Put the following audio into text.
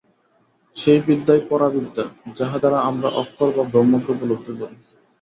সেই বিদ্যাই পরা বিদ্যা, যাহা দ্বারা আমরা অক্ষর বা ব্রহ্মকে উপলব্ধি করি।